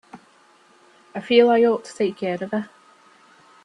I feel I ought to take care of her.